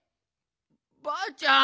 ばあちゃん。